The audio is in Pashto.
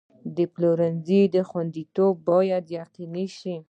د پلورنځي خوندیتوب باید یقیني شي.